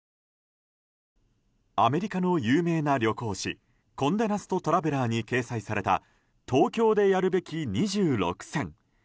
アメリカの有名な旅行誌「コンデナスト・トラベラー」に掲載された「東京でやるべき２６選」。